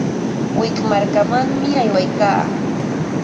Wik markamanmi aywaykaa.